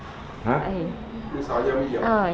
พี่สาวยังไม่เหยียบ